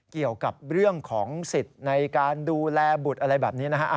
เกี่ยวกับเรื่องของสิทธิ์ในการดูแลบุตรอะไรแบบนี้นะฮะ